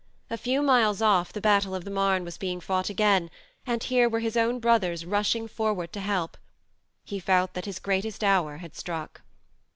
A few miles off the battle of the Marne was being fought again, and here were his own brothers rushing forward to help 1 He felt that his greatest hour had struck.